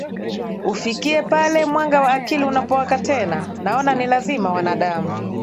ufikie pale mwanga wa akili unapowaka Tena Naona ni lazima wanadamu